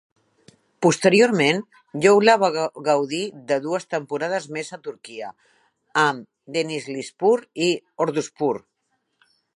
Posteriorment, Youla va gaudir de dues temporades més a Turquia, amb Denizlispor i Orduspor.